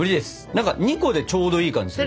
２個でちょうどいい感じするね。